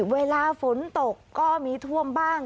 เวลาฝนตกก็มีท่วมบ้าง